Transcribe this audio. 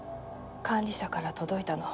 管理者から届いたの。